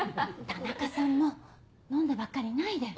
田中さんも飲んでばっかりいないで。